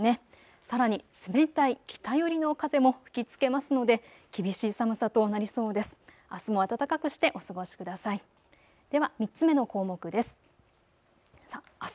さらに冷たい北寄りの風も吹きつけますので厳しい寒さとなりそうです。